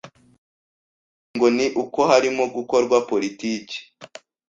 Ikindi ngo ni uko harimo gukorwa politiki